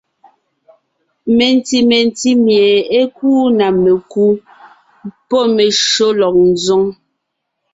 Menti mentí mie é kúu na mekú pɔ́ meshÿó lélɔg ńzoŋ.